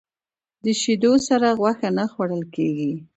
د شیدو سره غوښه نه خوړل کېږي.